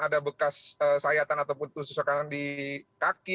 ada bekas sayatan ataupun susahkanan di kaki